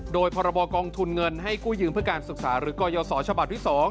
โดยพรบกองทุนเงินให้กู้ยืมเพื่อการศึกษาหรือกรยศฉบับที่๒